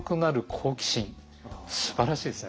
好奇心すばらしいですね。